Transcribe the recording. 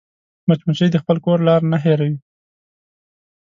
مچمچۍ د خپل کور لار نه هېروي